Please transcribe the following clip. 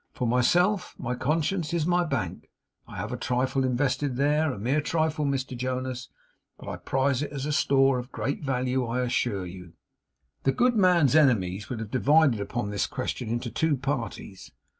For myself, my conscience is my bank. I have a trifle invested there a mere trifle, Mr Jonas but I prize it as a store of value, I assure you.' The good man's enemies would have divided upon this question into two parties.